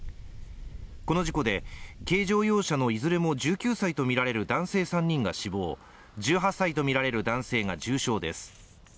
この事故で、軽乗用車のいずれも１９歳とみられる男性３人が死亡、１８歳とみられる男性が重傷です。